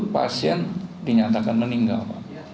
pasien dinyatakan meninggal